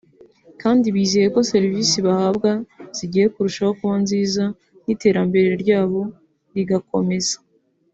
kandi bizeye ko serivisi bahabwa zigiye kurushaho kuba nziza n’iterambere ryabo rigakomeza